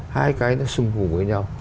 hai cái nó xung cùng với nhau